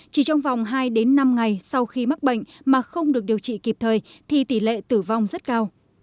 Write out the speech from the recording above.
chỉ trong vòng hai đến năm ngày sau khi mắc bệnh mà không được điều trị kịp thời thì tỷ lệ tử vong rất cao